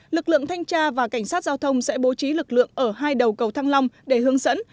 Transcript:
lực lượng thanh tra và cảnh sát giao thông sẽ bố trí lực lượng ở hai đầu cầu thăng long để hướng dẫn